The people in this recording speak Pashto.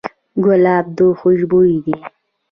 ګلاب خوشبوی دی.